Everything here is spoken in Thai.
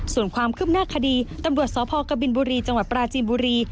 ส่วนความคืบหน้าคดีตำรวจสพกบินบุรีจังหวัดปราจีนบุรี